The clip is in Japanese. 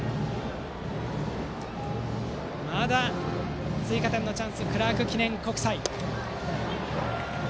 まだ追加点のチャンスクラーク記念国際。